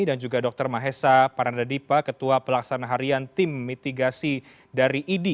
dan juga dr mahesa paranadipa ketua pelaksana harian tim mitigasi dari idi